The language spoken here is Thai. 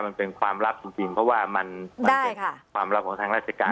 มันเป็นความลับจริงเพราะว่ามันเป็นความลับของทางราชการ